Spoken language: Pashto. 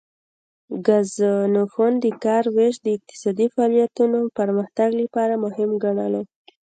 ګزنفون د کار ویش د اقتصادي فعالیتونو پرمختګ لپاره مهم ګڼلو